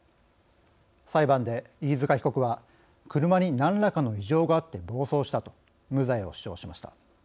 裁判で飯塚被告は「車に何らかの異常があって暴走した」と無罪を主張しました。